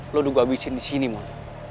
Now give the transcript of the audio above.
lo udah gue abisin disini mon